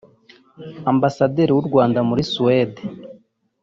Ambasaderi w’u Rwanda muri Suède